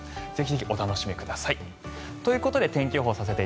ぜひお楽しみください。ということで天気予報